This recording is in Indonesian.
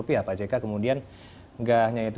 pak jk kemudian tidak hanya itu